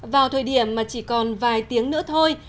vào thời điểm mà chỉ còn vài tiếng nữa thôi